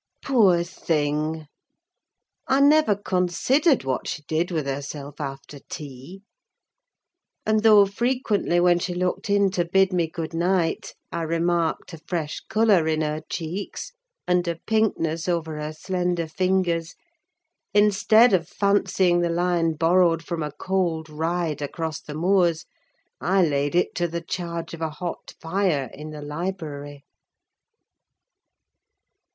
Poor thing! I never considered what she did with herself after tea. And though frequently, when she looked in to bid me good night, I remarked a fresh colour in her cheeks and a pinkness over her slender fingers, instead of fancying the hue borrowed from a cold ride across the moors, I laid it to the charge of a hot fire in the library.